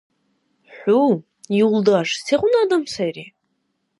ХӀу, юлдаш, сегъуна адам сайри?